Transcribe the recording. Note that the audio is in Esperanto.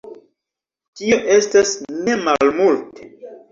Tio estas nemalmulte.